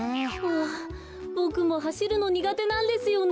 あボクもはしるのにがてなんですよね。